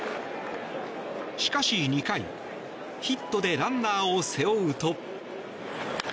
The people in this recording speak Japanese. しかし、２回ヒットでランナーを背負うと。